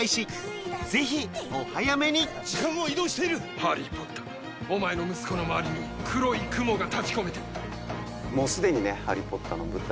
・ハリー・ポッターお前の息子の周りに黒い雲が立ちこめてるもうすでにねハリー・ポッターの舞台